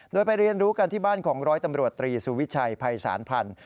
โดยไปเรียนรู้กันที่บ้านของร้อยตำรวจตรีสุวิชัยภัยศาลพันธ์